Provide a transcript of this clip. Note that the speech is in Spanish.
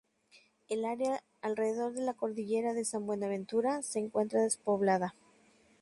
El área alrededor de la Cordillera de San Buenaventura se encuentra despoblada.